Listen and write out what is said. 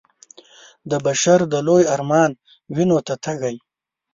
د بشر د لوی ارمان وينو ته تږی